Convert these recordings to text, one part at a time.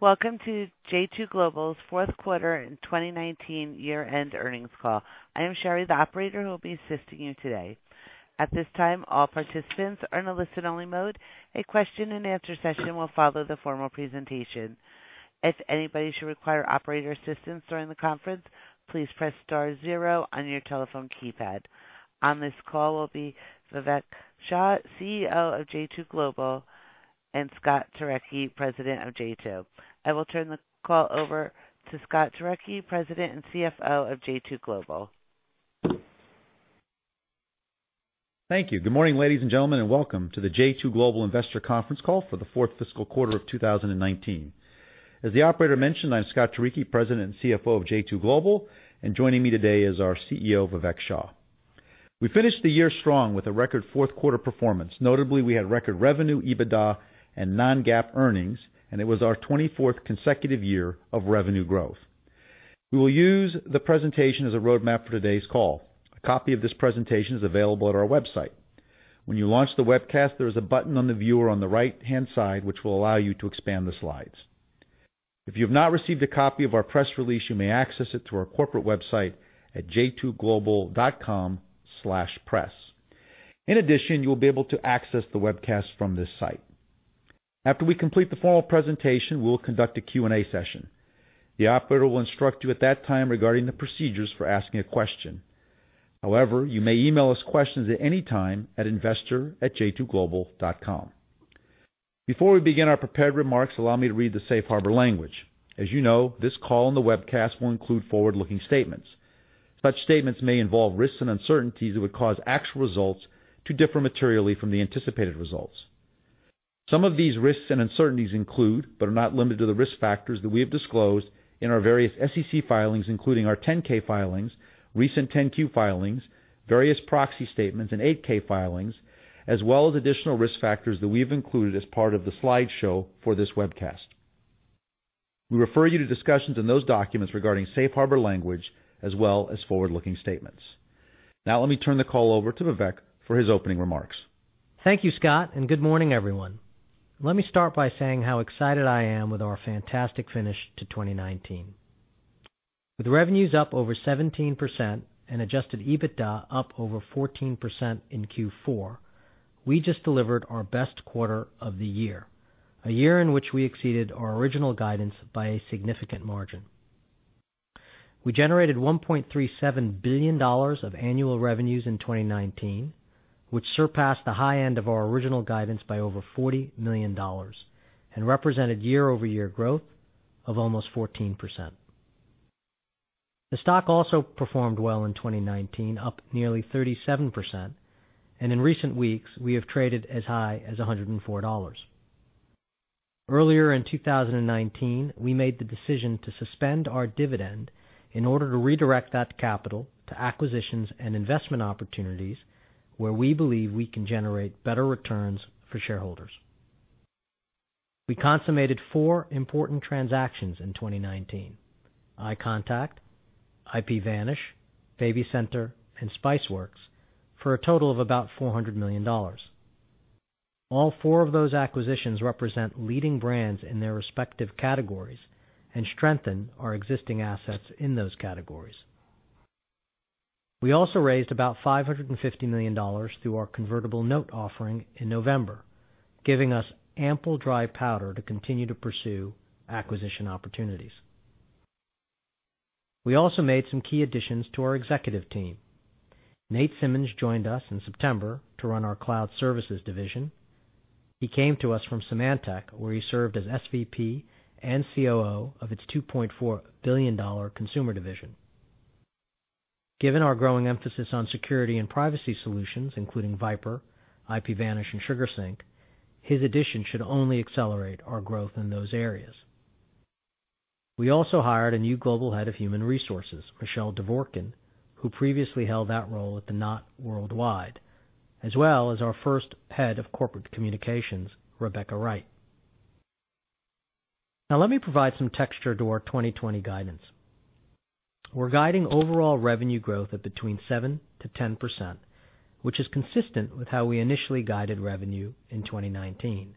Welcome to j2 Global's Fourth Quarter 2019 year-end Earnings Call. I am Sherry, the operator who will be assisting you today. At this time, all participants are in a listen-only mode. A question and answer session will follow the formal presentation. If anybody should require operator assistance during the conference, please press star zero on your telephone keypad. On this call will be Vivek Shah, CEO of j2 Global, and Scott Turicchi, President of j2. I will turn the call over to Scott Turicchi, President and CFO of j2 Global. Thank you. Good morning, ladies and gentlemen, and welcome to the j2 Global Investor Conference Call for the fourth fiscal quarter of 2019. As the operator mentioned, I'm Scott Turicchi, President and CFO of j2 Global, and joining me today is our CEO, Vivek Shah. We finished the year strong with a record fourth quarter performance. Notably, we had record revenue, EBITDA, and non-GAAP earnings, and it was our 24th consecutive year of revenue growth. We will use the presentation as a roadmap for today's call. A copy of this presentation is available at our website. When you launch the webcast, there is a button on the viewer on the right-hand side, which will allow you to expand the slides. If you have not received a copy of our press release, you may access it through our corporate website at j2global.com/press. In addition, you will be able to access the webcast from this site. After we complete the formal presentation, we will conduct a Q&A session. The operator will instruct you at that time regarding the procedures for asking a question. You may email us questions at any time at investor@j2global.com. Before we begin our prepared remarks, allow me to read the safe harbor language. As you know, this call and the webcast will include forward-looking statements. Such statements may involve risks and uncertainties that would cause actual results to differ materially from the anticipated results. Some of these risks and uncertainties include, but are not limited to, the risk factors that we have disclosed in our various SEC filings, including our 10-K filings, recent 10-Q filings, various proxy statements, and 8-K filings, as well as additional risk factors that we have included as part of the slideshow for this webcast. We refer you to discussions in those documents regarding safe harbor language, as well as forward-looking statements. Now let me turn the call over to Vivek for his opening remarks. Thank you, Scott. Good morning, everyone. Let me start by saying how excited I am with our fantastic finish to 2019. With revenues up over 17% and adjusted EBITDA up over 14% in Q4, we just delivered our best quarter of the year, a year in which we exceeded our original guidance by a significant margin. We generated $1.37 billion of annual revenues in 2019, which surpassed the high end of our original guidance by over $40 million and represented year-over-year growth of almost 14%. The stock also performed well in 2019, up nearly 37%, and in recent weeks, we have traded as high as $104. Earlier in 2019, we made the decision to suspend our dividend in order to redirect that capital to acquisitions and investment opportunities where we believe we can generate better returns for shareholders. We consummated four important transactions in 2019: iContact, IPVanish, BabyCenter, and Spiceworks, for a total of about $400 million. All four of those acquisitions represent leading brands in their respective categories and strengthen our existing assets in those categories. We also raised about $550 million through our convertible note offering in November, giving us ample dry powder to continue to pursue acquisition opportunities. We also made some key additions to our executive team. Nate Simmons joined us in September to run our Cloud Services division. He came to us from Symantec, where he served as SVP and COO of its $2.4 billion consumer division. Given our growing emphasis on security and privacy solutions, including VIPRE, IPVanish, and SugarSync, his addition should only accelerate our growth in those areas. We also hired a new global head of human resources, Michelle Dvorkin, who previously held that role at The Knot Worldwide, as well as our first head of corporate communications, Rebecca Wright. Let me provide some texture to our 2020 guidance. We're guiding overall revenue growth of between 7%-10%, which is consistent with how we initially guided revenue in 2019.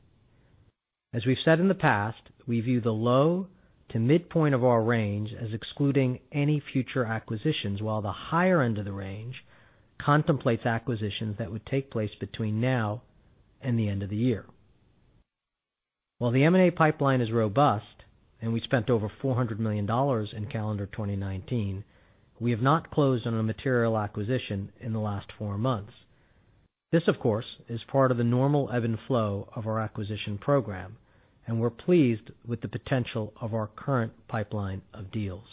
As we've said in the past, we view the low to midpoint of our range as excluding any future acquisitions, while the higher end of the range contemplates acquisitions that would take place between now and the end of the year. While the M&A pipeline is robust and we spent over $400 million in calendar 2019, we have not closed on a material acquisition in the last four months. This, of course, is part of the normal ebb and flow of our acquisition program, and we're pleased with the potential of our current pipeline of deals.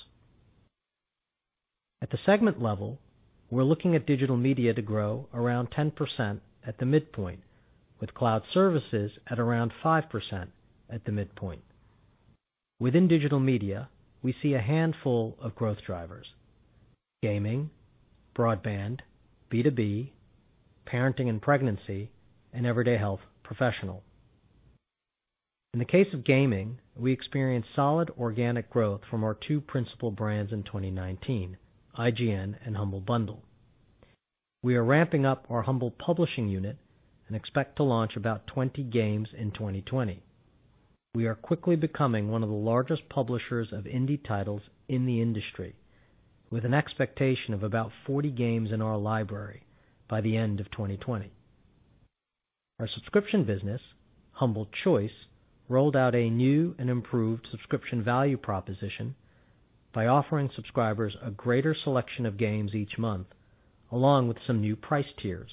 At the segment level, we're looking at Digital Media to grow around 10% at the midpoint, with Cloud Services at around 5% at the midpoint. Within Digital Media, we see a handful of growth drivers: gaming, broadband, B2B, parenting and pregnancy, and Everyday Health professional. In the case of gaming, we experienced solid organic growth from our two principal brands in 2019, IGN and Humble Bundle. We are ramping up our Humble Games unit and expect to launch about 20 games in 2020. We are quickly becoming one of the largest publishers of indie titles in the industry, with an expectation of about 40 games in our library by the end of 2020. Our subscription business, Humble Choice, rolled out a new and improved subscription value proposition by offering subscribers a greater selection of games each month, along with some new price tiers.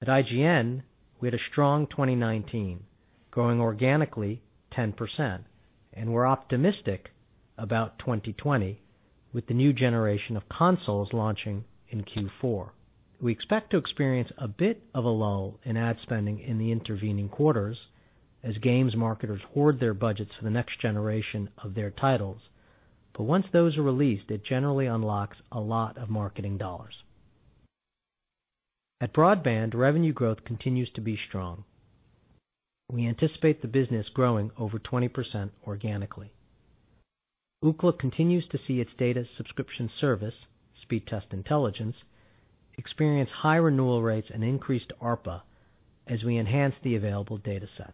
At IGN, we had a strong 2019, growing organically 10%. We're optimistic about 2020 with the new generation of consoles launching in Q4. We expect to experience a bit of a lull in ad spending in the intervening quarters as games marketers hoard their budgets for the next generation of their titles. Once those are released, it generally unlocks a lot of marketing dollars. At Broadband, revenue growth continues to be strong. We anticipate the business growing over 20% organically. Ookla continues to see its data subscription service, Speedtest Intelligence, experience high renewal rates and increased ARPA as we enhance the available data sets.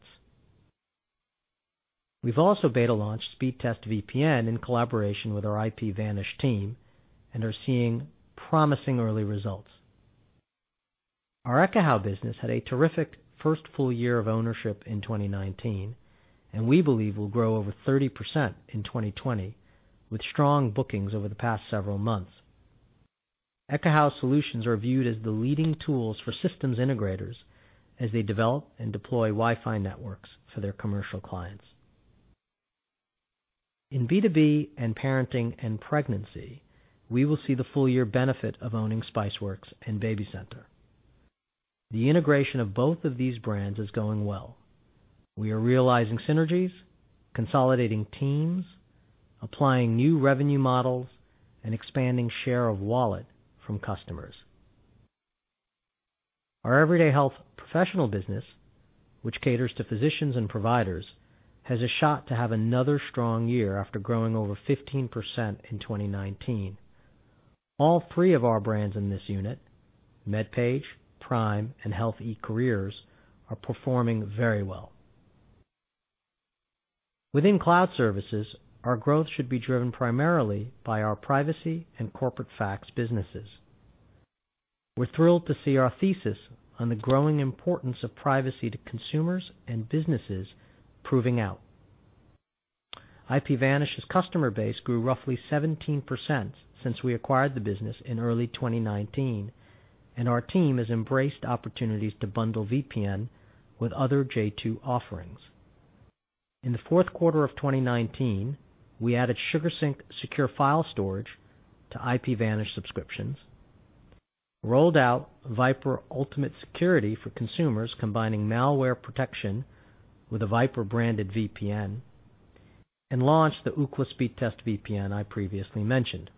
We've also beta launched Speedtest VPN in collaboration with our IPVanish team and are seeing promising early results. Our Ekahau business had a terrific first full year of ownership in 2019, and we believe will grow over 30% in 2020, with strong bookings over the past several months. Ekahau solutions are viewed as the leading tools for systems integrators as they develop and deploy Wi-Fi networks for their commercial clients. In B2B and Parenting and Pregnancy, we will see the full year benefit of owning Spiceworks and BabyCenter. The integration of both of these brands is going well. We are realizing synergies, consolidating teams, applying new revenue models, and expanding share of wallet from customers. Our Everyday Health professional business, which caters to physicians and providers, has a shot to have another strong year after growing over 15% in 2019. All three of our brands in this unit, MedPage, PRIME, and Health eCareers, are performing very well. Within Cloud Services, our growth should be driven primarily by our Privacy and Corporate Fax businesses. We're thrilled to see our thesis on the growing importance of privacy to consumers and businesses proving out. IPVanish's customer base grew roughly 17% since we acquired the business in early 2019, and our team has embraced opportunities to bundle VPN with other J2 offerings. In the fourth quarter of 2019, we added SugarSync secure file storage to IPVanish subscriptions, rolled out VIPRE Ultimate Security for consumers, combining malware protection with a VyprVPN, and launched the Ookla Speedtest VPN I previously mentioned.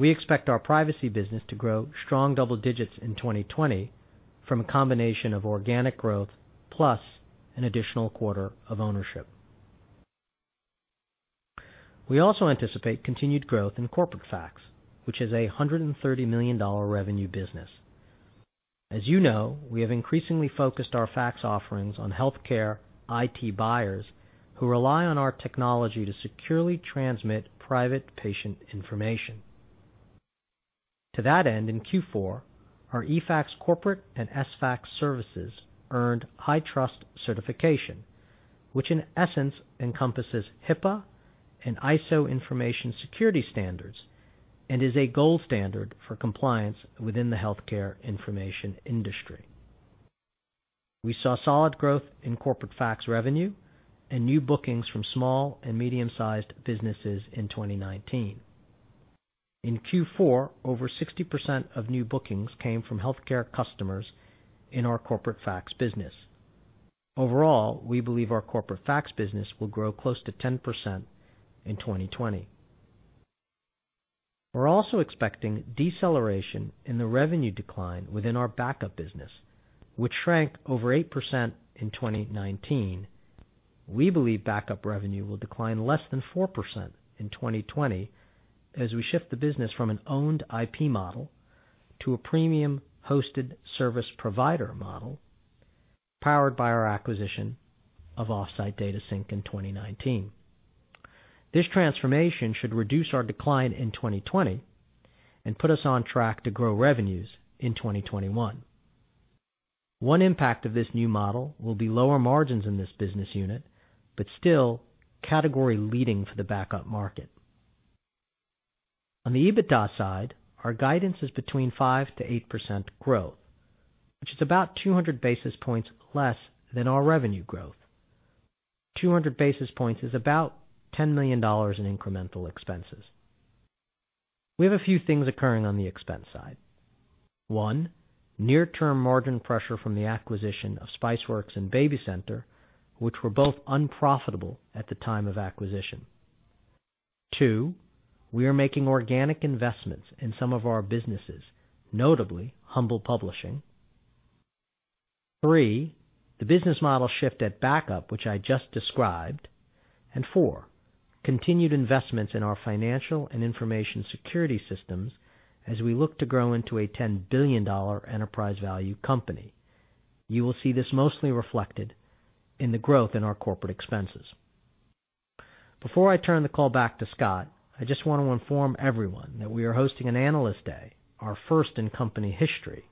We expect our Privacy business to grow strong double digits in 2020 from a combination of organic growth plus an additional quarter of ownership. We also anticipate continued growth in Corporate Fax, which is a $130 million revenue business. As you know, we have increasingly focused our fax offerings on healthcare IT buyers who rely on our technology to securely transmit private patient information. To that end, in Q4, our eFax Corporate and Sfax services earned HITRUST certification, which in essence encompasses HIPAA and ISO information security standards and is a gold standard for compliance within the healthcare information industry. We saw solid growth in Corporate Fax revenue and new bookings from small and medium-sized businesses in 2019. In Q4, over 60% of new bookings came from healthcare customers in our Corporate Fax business. Overall, we believe our Corporate Fax business will grow close to 10% in 2020. We're also expecting deceleration in the revenue decline within our Backup business, which shrank over 8% in 2019. We believe backup revenue will decline less than 4% in 2020 as we shift the business from an owned IP model to a premium hosted service provider model powered by our acquisition of OffsiteDataSync in 2019. This transformation should reduce our decline in 2020 and put us on track to grow revenues in 2021. One impact of this new model will be lower margins in this business unit, but still category leading for the backup market. On the EBITDA side, our guidance is between 5%-8% growth, which is about 200 basis points less than our revenue growth. 200 basis points is about $10 million in incremental expenses. We have a few things occurring on the expense side. One, near-term margin pressure from the acquisition of Spiceworks and BabyCenter, which were both unprofitable at the time of acquisition. Two, we are making organic investments in some of our businesses, notably Humble Games. Three, the business model shift at SugarSync, which I just described. Four, continued investments in our financial and information security systems as we look to grow into a $10 billion enterprise value company. You will see this mostly reflected in the growth in our corporate expenses. Before I turn the call back to Scott, I just want to inform everyone that we are hosting an Analyst Day, our first in company history,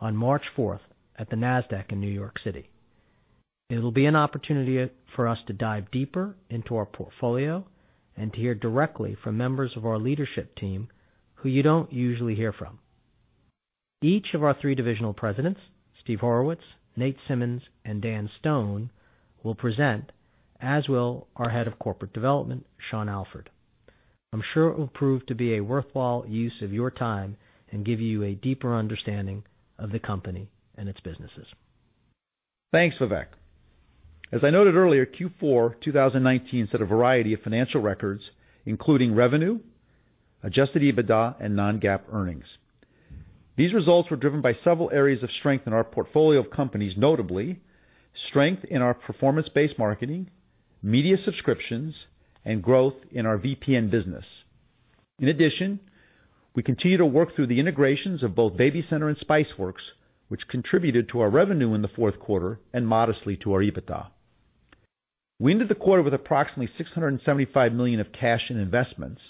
on March 4th at the Nasdaq in New York City. It'll be an opportunity for us to dive deeper into our portfolio and to hear directly from members of our leadership team who you don't usually hear from. Each of our three divisional presidents, Steve Horowitz, Nate Simmons, and Dan Stone, will present, as will our Head of Corporate Development, Sean Alford. I'm sure it will prove to be a worthwhile use of your time and give you a deeper understanding of the company and its businesses. Thanks, Vivek. As I noted earlier, Q4 2019 set a variety of financial records, including revenue, adjusted EBITDA, and non-GAAP earnings. These results were driven by several areas of strength in our portfolio of companies, notably strength in our performance-based marketing, media subscriptions, and growth in our VPN business. We continue to work through the integrations of both BabyCenter and Spiceworks, which contributed to our revenue in the fourth quarter and modestly to our EBITDA. We ended the quarter with approximately $675 million of cash in investments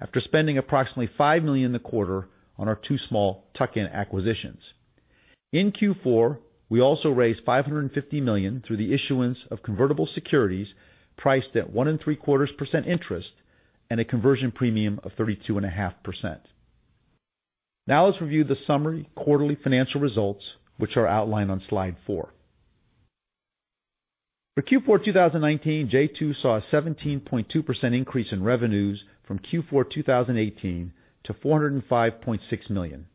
after spending approximately $5 million in the quarter on our two small tuck-in acquisitions. In Q4, we also raised $550 million through the issuance of convertible securities priced at one and three-quarters percent interest and a conversion premium of 32.5%. Let's review the summary quarterly financial results, which are outlined on slide four. For Q4 2019, j2 saw a 17.2% increase in revenues from Q4 2018 to $405.6 million.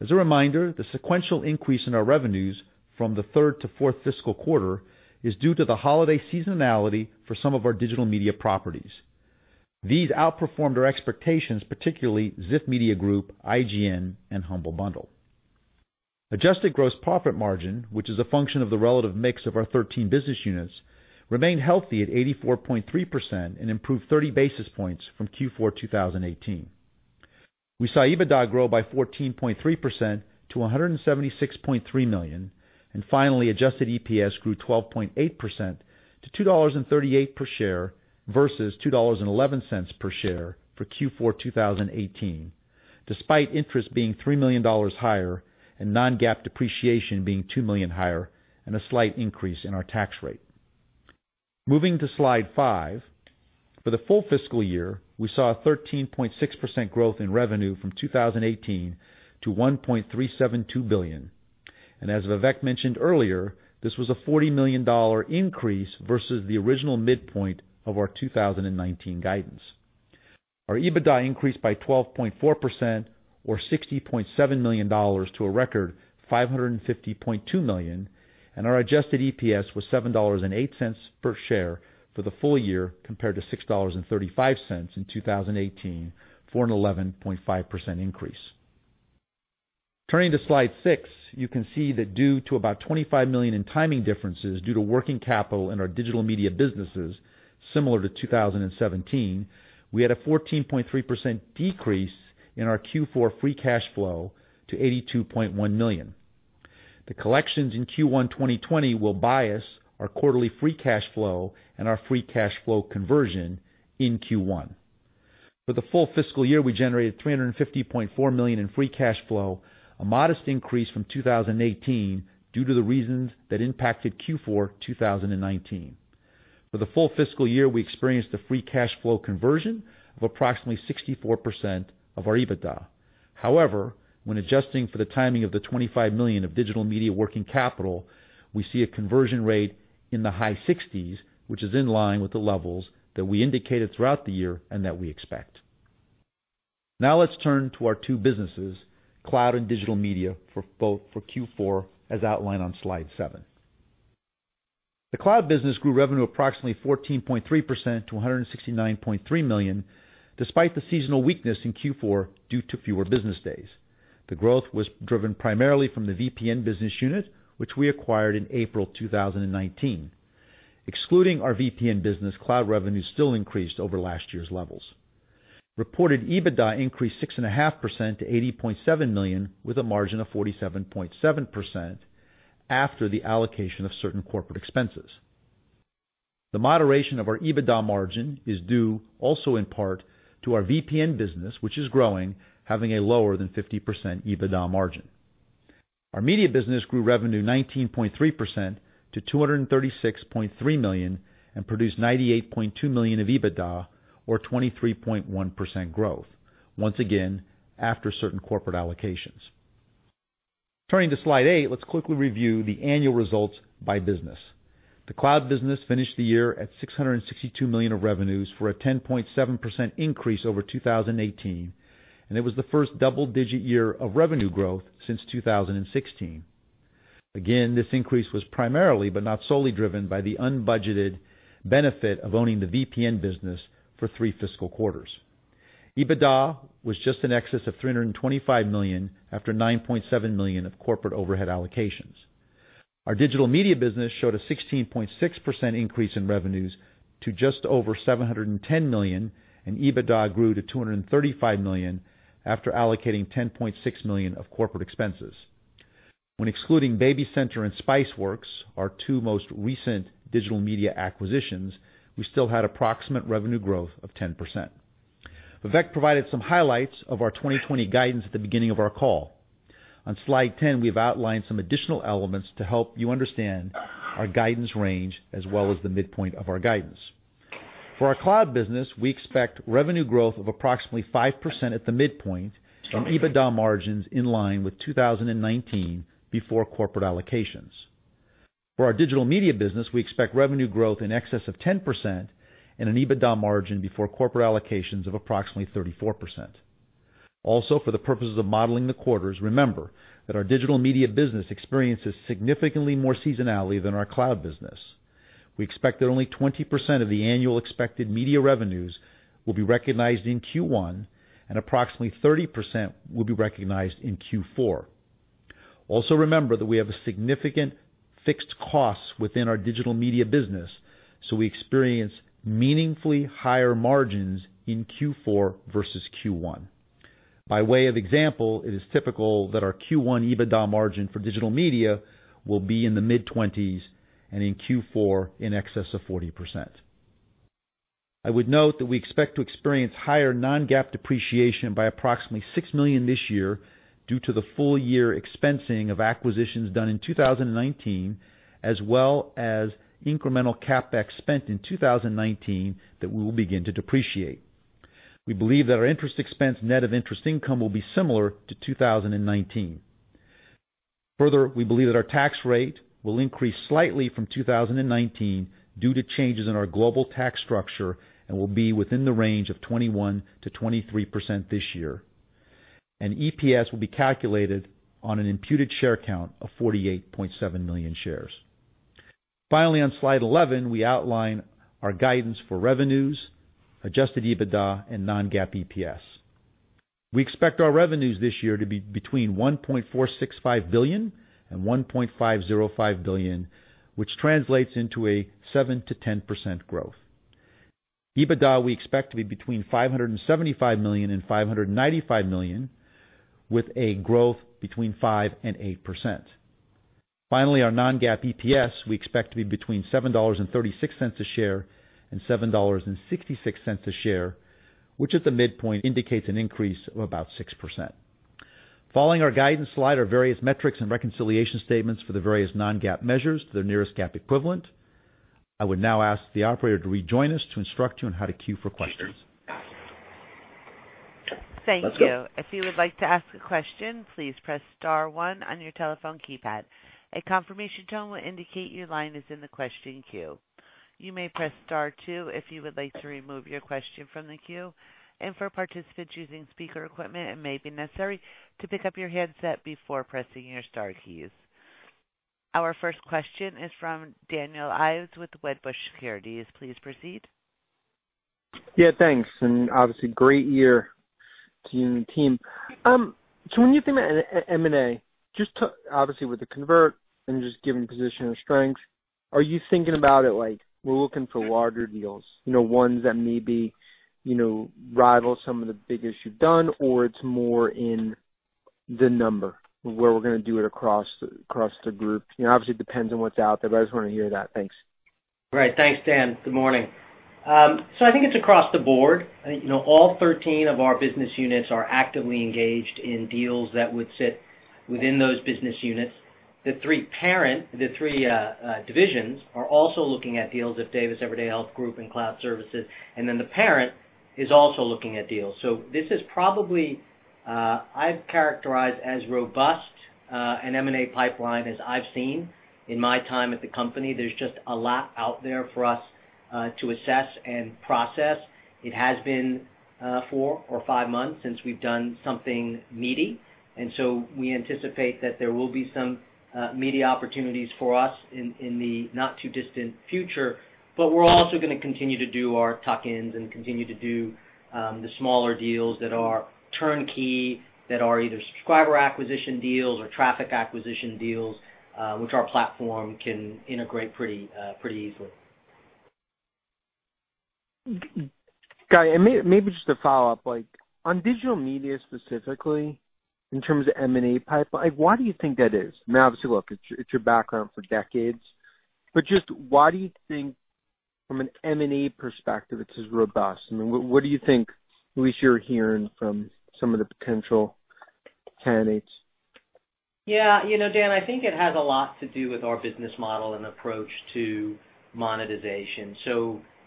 As a reminder, the sequential increase in our revenues from the third to fourth fiscal quarter is due to the holiday seasonality for some of our digital media properties. These outperformed our expectations, particularly Ziff Media Group, IGN, and Humble Bundle. Adjusted gross profit margin, which is a function of the relative mix of our 13 business units, remained healthy at 84.3% and improved 30 basis points from Q4 2018. We saw EBITDA grow by 14.3% to $176.3 million. Finally, adjusted EPS grew 12.8% to $2.38 per share versus $2.11 per share for Q4 2018, despite interest being $3 million higher and non-GAAP depreciation being $2 million higher and a slight increase in our tax rate. Moving to slide five. For the full fiscal year, we saw a 13.6% growth in revenue from 2018 to $1.372 billion. As Vivek mentioned earlier, this was a $40 million increase versus the original midpoint of our 2019 guidance. Our EBITDA increased by 12.4% or $60.7 million to a record $550.2 million, and our adjusted EPS was $7.08 per share for the full year, compared to $6.35 in 2018, for an 11.5% increase. Turning to slide six, you can see that due to about $25 million in timing differences due to working capital in our digital media businesses, similar to 2017, we had a 14.3% decrease in our Q4 free cash flow to $82.1 million. The collections in Q1 2020 will bias our quarterly free cash flow and our free cash flow conversion in Q1. For the full fiscal year, we generated $350.4 million in free cash flow, a modest increase from 2018 due to the reasons that impacted Q4 2019. For the full fiscal year, we experienced a free cash flow conversion of approximately 64% of our EBITDA. When adjusting for the timing of the $25 million of Digital Media working capital, we see a conversion rate in the high 60s, which is in line with the levels that we indicated throughout the year and that we expect. Let's turn to our two businesses, Cloud and Digital Media, for Q4, as outlined on slide seven. The Cloud business grew revenue approximately 14.3% to $169.3 million, despite the seasonal weakness in Q4 due to fewer business days. The growth was driven primarily from the VPN business unit, which we acquired in April 2019. Excluding our VPN business, Cloud revenue still increased over last year's levels. Reported EBITDA increased 6.5% to $80.7 million, with a margin of 47.7% after the allocation of certain corporate expenses. The moderation of our EBITDA margin is due also in part to our VPN business, which is growing, having a lower than 50% EBITDA margin. Our Media business grew revenue 19.3% to $236.3 million and produced $98.2 million of EBITDA or 23.1% growth, once again, after certain corporate allocations. Turning to slide eight, let's quickly review the annual results by business. The Cloud business finished the year at $662 million of revenues for a 10.7% increase over 2018, and it was the first double-digit year of revenue growth since 2016. This increase was primarily, but not solely driven by the unbudgeted benefit of owning the VPN business for three fiscal quarters. EBITDA was just in excess of $325 million, after $9.7 million of corporate overhead allocations. Our digital media business showed a 16.6% increase in revenues to just over $710 million, and EBITDA grew to $235 million after allocating $10.6 million of corporate expenses. When excluding BabyCenter and Spiceworks, our two most recent digital media acquisitions, we still had approximate revenue growth of 10%. Vivek provided some highlights of our 2020 guidance at the beginning of our call. On slide 10, we have outlined some additional elements to help you understand our guidance range, as well as the midpoint of our guidance. For our cloud business, we expect revenue growth of approximately 5% at the midpoint, from EBITDA margins in line with 2019 before corporate allocations. For our digital media business, we expect revenue growth in excess of 10% and an EBITDA margin before corporate allocations of approximately 34%. For the purposes of modeling the quarters, remember that our digital media business experiences significantly more seasonality than our cloud business. We expect that only 20% of the annual expected media revenues will be recognized in Q1, and approximately 30% will be recognized in Q4. Remember that we have a significant fixed cost within our digital media business, so we experience meaningfully higher margins in Q4 versus Q1. By way of example, it is typical that our Q1 EBITDA margin for digital media will be in the mid-20%s, and in Q4, in excess of 40%. I would note that we expect to experience higher non-GAAP depreciation by approximately $6 million this year due to the full-year expensing of acquisitions done in 2019, as well as incremental CapEx spent in 2019 that we will begin to depreciate. We believe that our interest expense net of interest income will be similar to 2019. Further, we believe that our tax rate will increase slightly from 2019 due to changes in our global tax structure and will be within the range of 21%-23% this year. EPS will be calculated on an imputed share count of 48.7 million shares. Finally, on slide 11, we outline our guidance for revenues, adjusted EBITDA, and non-GAAP EPS. We expect our revenues this year to be between $1.465 billion and $1.505 billion, which translates into a 7%-10% growth. EBITDA, we expect to be between $575 million and $595 million, with a growth between 5% and 8%. Finally, our non-GAAP EPS, we expect to be between $7.36 a share and $7.66 a share, which at the midpoint indicates an increase of about 6%. Following our guidance slide are various metrics and reconciliation statements for the various non-GAAP measures to the nearest GAAP equivalent. I would now ask the operator to rejoin us to instruct you on how to queue for questions. Thank you. Let's go. If you would like to ask a question, please press star one on your telephone keypad. A confirmation tone will indicate your line is in the question queue. You may press star two if you would like to remove your question from the queue. For participants using speaker equipment, it may be necessary to pick up your headset before pressing your star keys. Our first question is from Daniel Ives with Wedbush Securities. Please proceed. Yeah, thanks. Obviously great year to you and the team. When you think about M&A, just obviously with the convert and just given position of strength, are you thinking about it like we're looking for larger deals? Ones that maybe rival some of the biggest you've done, or it's more in the number, where we're going to do it across the group? Obviously, it depends on what's out there, but I just wanted to hear that. Thanks. Great. Thanks, Dan. Good morning. I think it's across the board. All 13 of our business units are actively engaged in deals that would sit within those business units. The three divisions are also looking at deals with Ziff Davis Everyday Health Group and Cloud Services, the parent is also looking at deals. This is probably, I'd characterize as robust an M&A pipeline as I've seen in my time at the company. There's just a lot out there for us to assess and process. It has been four or five months since we've done something meaty, we anticipate that there will be some meaty opportunities for us in the not too distant future. We're also going to continue to do our tuck-ins and continue to do the smaller deals that are turnkey, that are either subscriber acquisition deals or traffic acquisition deals, which our platform can integrate pretty easily. Guy, maybe just a follow-up. On digital media specifically, in terms of M&A pipeline, why do you think that is? Obviously, look, it's your background for decades, but just why do you think from an M&A perspective it's as robust? What do you think, at least you're hearing from some of the potential candidates? Yeah, Dan, I think it has a lot to do with our business model and approach to monetization.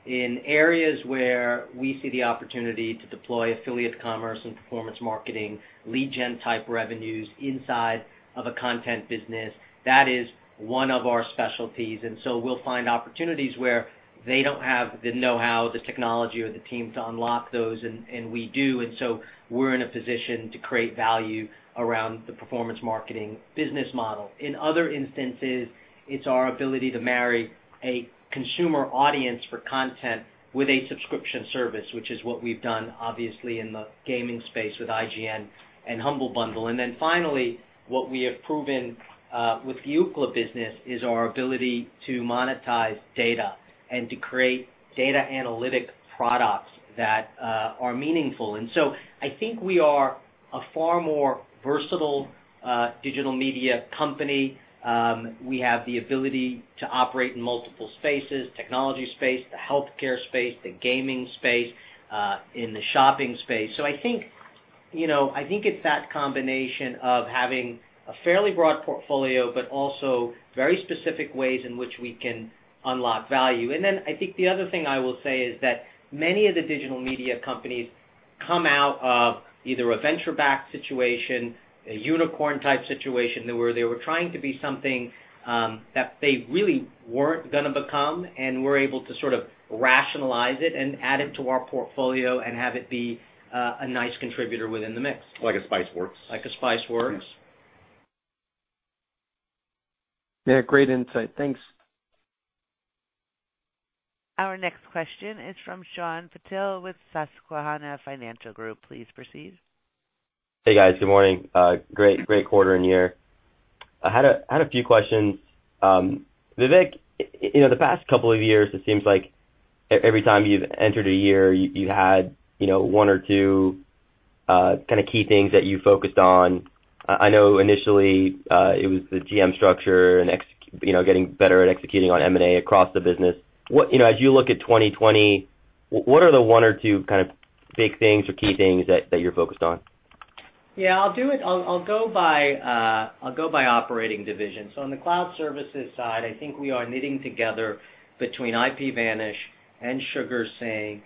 In areas where we see the opportunity to deploy affiliate commerce and performance marketing, lead gen type revenues inside of a content business, that is one of our specialties. We'll find opportunities where they don't have the knowhow, the technology, or the team to unlock those, and we do. We're in a position to create value around the performance marketing business model. In other instances, it's our ability to marry a consumer audience for content with a subscription service, which is what we've done, obviously, in the gaming space with IGN and Humble Bundle. Finally, what we have proven with the Ookla business is our ability to monetize data and to create data analytic products that are meaningful. I think we are a far more versatile digital media company. We have the ability to operate in multiple spaces, technology space, the healthcare space, the gaming space, in the shopping space. I think it's that combination of having a fairly broad portfolio, but also very specific ways in which we can unlock value. Then I think the other thing I will say is that many of the digital media companies come out of either a venture-backed situation, a unicorn-type situation, where they were trying to be something that they really weren't going to become, and we're able to sort of rationalize it and add it to our portfolio and have it be a nice contributor within the mix. Like a Spiceworks. Like a Spiceworks. Yeah. Great insight. Thanks. Our next question is from Shyam Patil with Susquehanna Financial Group. Please proceed. Hey, guys. Good morning. Great quarter and year. I had a few questions. Vivek, the past couple of years, it seems like every time you've entered a year, you had one or two kind of key things that you focused on. I know initially, it was the GM structure and getting better at executing on M&A across the business. As you look at 2020, what are the one or two kind of big things or key things that you're focused on? Yeah. I'll go by operating division. On the Cloud Services side, I think we are knitting together, between IPVanish and SugarSync,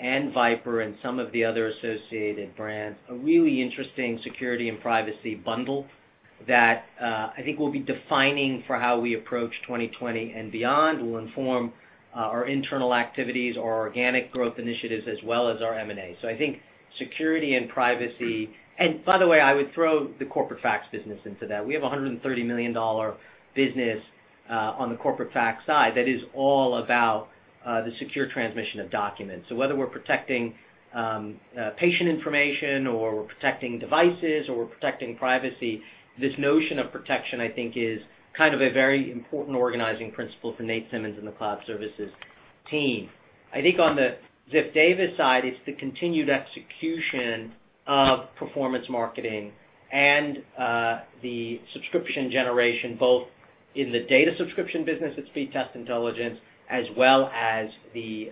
and VIPRE, and some of the other associated brands, a really interesting security and privacy bundle that I think will be defining for how we approach 2020 and beyond, will inform our internal activities, our organic growth initiatives, as well as our M&A. I think security and privacy, and by the way, I would throw the Corporate Fax business into that. We have a $130 million business on the Corporate Fax side that is all about the secure transmission of documents. Whether we're protecting patient information or we're protecting devices or we're protecting privacy, this notion of protection, I think, is kind of a very important organizing principle for Nate Simmons and the Cloud Services team. I think on the Ziff Davis side, it's the continued execution of performance marketing and the subscription generation, both in the data subscription business at Speedtest Intelligence, as well as the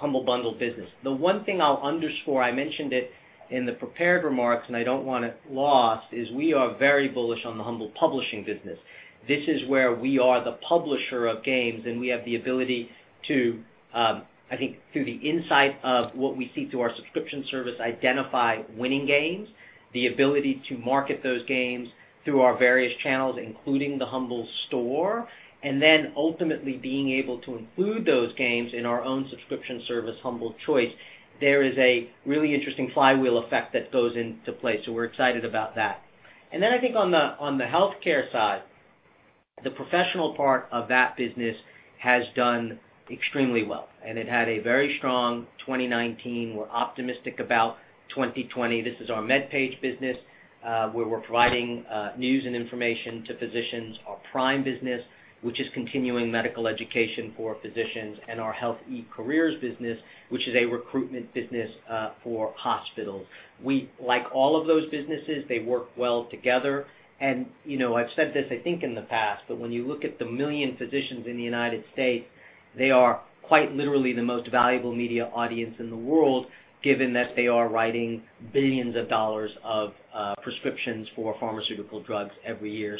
Humble Bundle business. The one thing I'll underscore, I mentioned it in the prepared remarks, and I don't want it lost, is we are very bullish on the Humble publishing business. This is where we are the publisher of games, and we have the ability to, I think through the insight of what we see through our subscription service, identify winning games, the ability to market those games through our various channels, including the Humble Store, and then ultimately being able to include those games in our own subscription service, Humble Choice. There is a really interesting flywheel effect that goes into play. We're excited about that. Then I think on the healthcare side, the professional part of that business has done extremely well, and it had a very strong 2019. We're optimistic about 2020. This is our MedPage business, where we're providing news and information to physicians, our PRIME business, which is continuing medical education for physicians, and our Health eCareers business, which is a recruitment business for hospitals. We like all of those businesses. They work well together. I've said this, I think, in the past, but when you look at the 1 million physicians in the U.S., they are quite literally the most valuable media audience in the world, given that they are writing billions of dollars of prescriptions for pharmaceutical drugs every year.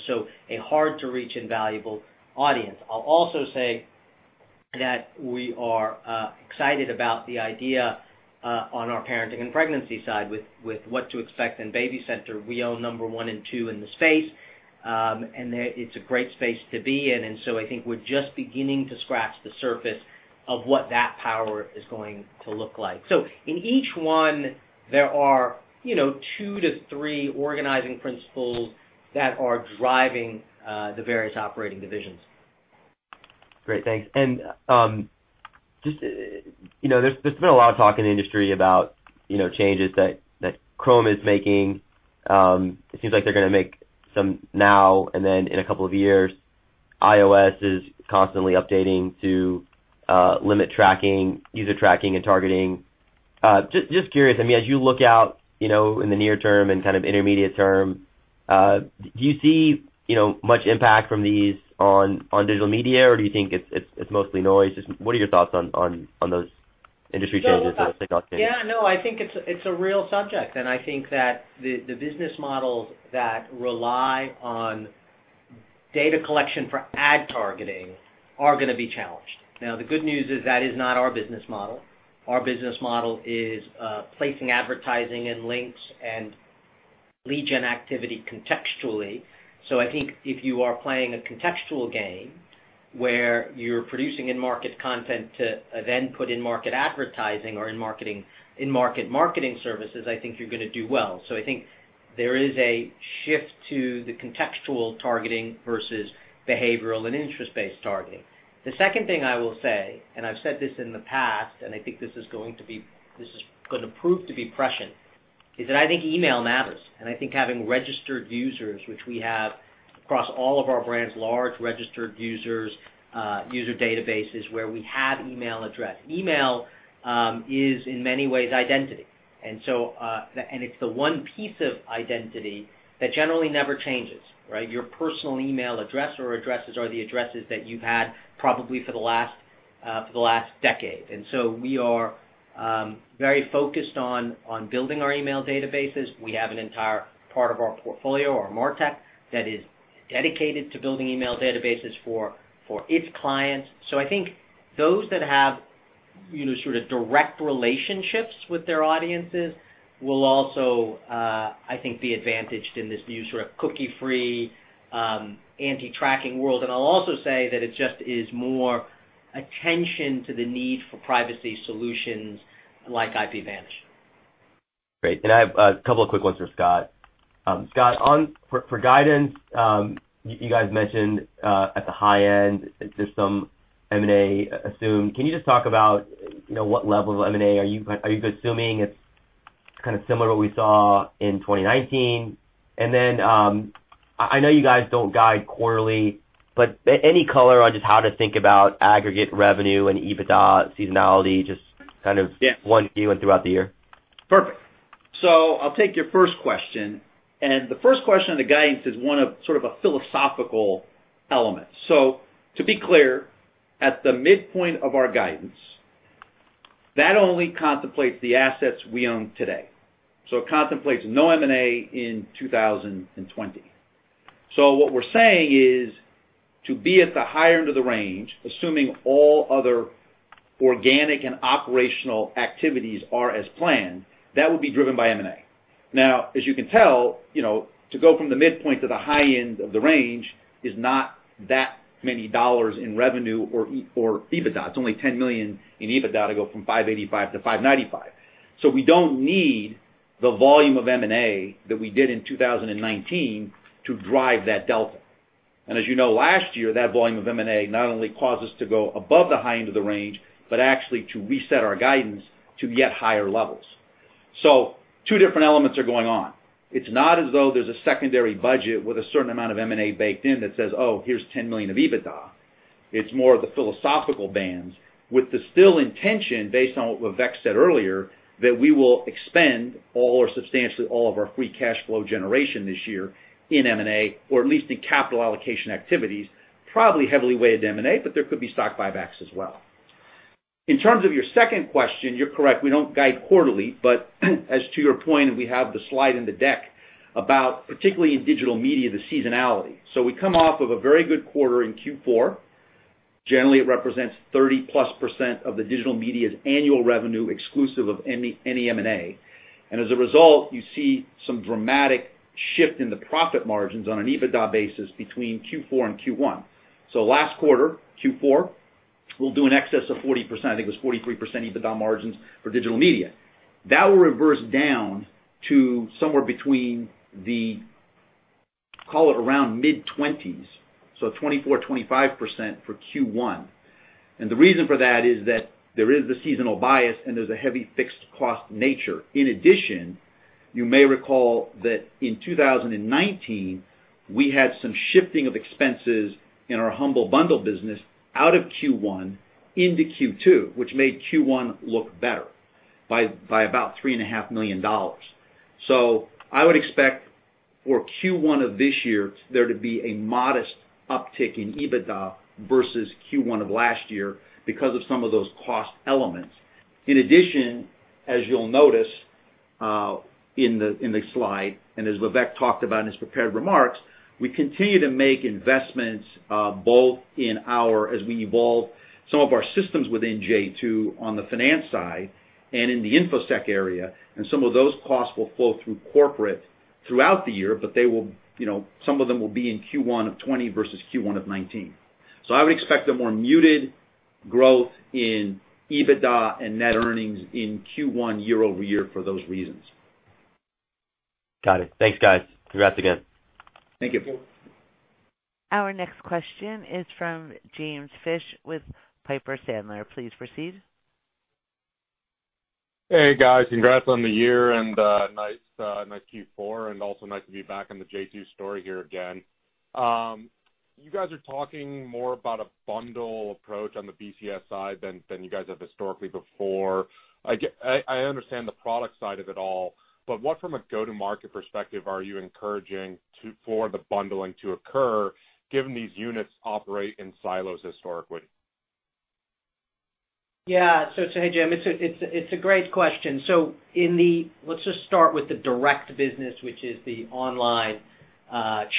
A hard-to-reach and valuable audience. I'll also say that we are excited about the idea on our parenting and pregnancy side with What to Expect and BabyCenter. We own number one and two in the space. It's a great space to be in, I think we're just beginning to scratch the surface of what that power is going to look like. In each one, there are two to three organizing principles that are driving the various operating divisions. Great, thanks. There's been a lot of talk in the industry about changes that Chrome is making. It seems like they're going to make some now, and then in a couple of years. iOS is constantly updating to limit user tracking and targeting. Just curious, as you look out in the near term and kind of intermediate term, do you see much impact from these on digital media, or do you think it's mostly noise? Just what are your thoughts on those industry changes that are taking place? Yeah, no, I think it's a real subject. I think that the business models that rely on data collection for ad targeting are going to be challenged. The good news is that is not our business model. Our business model is placing advertising and links and lead gen activity contextually. I think if you are playing a contextual game where you're producing in-market content to then put in-market advertising or in-market marketing services, I think you're going to do well. I think there is a shift to the contextual targeting versus behavioral and interest-based targeting. The second thing I will say. I've said this in the past. I think this is going to prove to be prescient. Is that I think email matters. I think having registered users, which we have across all of our brands, large registered user databases where we have email address. Email is in many ways identity. It's the one piece of identity that generally never changes, right? Your personal email address or addresses are the addresses that you've had probably for the last decade. We are very focused on building our email databases. We have an entire part of our portfolio, our MarTech, that is dedicated to building email databases for its clients. I think those that have sort of direct relationships with their audiences will also, I think, be advantaged in this new sort of cookie-free, anti-tracking world. I'll also say that it just is more attention to the need for privacy solutions like IPVanish. Great. I have a couple of quick ones for Scott. Scott, for guidance, you guys mentioned, at the high end, there's some M&A assumed. Can you just talk about what level of M&A? Are you assuming it's kind of similar to what we saw in 2019? I know you guys don't guide quarterly, but any color on just how to think about aggregate revenue and EBITDA seasonality? Yeah one view and throughout the year. Perfect. I'll take your first question, and the first question on the guidance is one of sort of a philosophical element. To be clear, at the midpoint of our guidance, that only contemplates the assets we own today. It contemplates no M&A in 2020. What we're saying is to be at the higher end of the range, assuming all other organic and operational activities are as planned, that would be driven by M&A. Now, as you can tell, to go from the midpoint to the high end of the range is not that many dollars in revenue or EBITDA. It's only $10 million in EBITDA to go from $585-$595. We don't need the volume of M&A that we did in 2019 to drive that delta. As you know, last year, that volume of M&A not only caused us to go above the high end of the range, but actually to reset our guidance to yet higher levels. Two different elements are going on. It's not as though there's a secondary budget with a certain amount of M&A baked in that says, "Oh, here's $10 million of EBITDA." It's more of the philosophical bands with the still intention, based on what Vivek said earlier, that we will expend all or substantially all of our free cash flow generation this year in M&A, or at least in capital allocation activities, probably heavily weighted M&A, but there could be stock buybacks as well. In terms of your second question, you're correct. We don't guide quarterly, but as to your point, and we have the slide in the deck about, particularly in digital media, the seasonality. We come off of a very good quarter in Q4. Generally, it represents 30-plus% of the digital media's annual revenue exclusive of any M&A. As a result, you see some dramatic shift in the profit margins on an EBITDA basis between Q4 and Q1. Last quarter, Q4, we'll do in excess of 40%. I think it was 43% EBITDA margins for digital media. That will reverse down to somewhere between the, call it around mid-20%s, so 24%, 25% for Q1. The reason for that is that there is the seasonal bias and there's a heavy fixed cost nature. In addition, you may recall that in 2019, we had some shifting of expenses in our Humble Bundle business out of Q1 into Q2, which made Q1 look better by about $3.5 million. I would expect for Q1 of this year there to be a modest uptick in EBITDA versus Q1 of last year because of some of those cost elements. In addition, as you'll notice, in the slide, and as Vivek talked about in his prepared remarks, we continue to make investments, both in our, as we evolve some of our systems within j2 on the finance side and in the InfoSec area, and some of those costs will flow through corporate throughout the year, but some of them will be in Q1 of 2020 versus Q1 of 2019. I would expect a more muted growth in EBITDA and net earnings in Q1 year-over-year for those reasons. Got it. Thanks, guys. Congrats again. Thank you. Thank you. Our next question is from James Fish with Piper Sandler. Please proceed. Hey, guys. Congrats on the year and nice Q4. Also nice to be back on the j2 story here again. You guys are talking more about a bundle approach on the BCS side than you guys have historically before. I understand the product side of it all. What from a go-to-market perspective are you encouraging for the bundling to occur, given these units operate in silos historically? Yeah. Hey, Jim. It's a great question. Let's just start with the direct business, which is the online